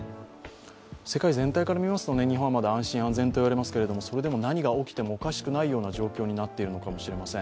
世界全体から見ますと、日本はまだ安全・安心と言われていますけどそれでも何が起きてもおかしくないような状況になっているのかもしれません。